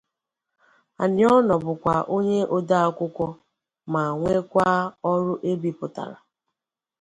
Aniunoh bụkwa onye ode akwụkwọ ma nwekwaa ọrụ ebipụtara.